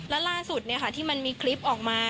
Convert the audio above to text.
แล้วล่าสุดที่มันมีคลิปออกมา